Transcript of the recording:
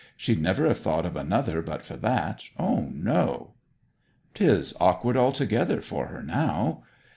She'd never have thought of another but for that O no!' ''Tis awkward, altogether, for her now.'